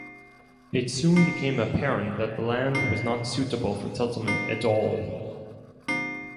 It soon became apparent that the land was not suitable for settlement at all.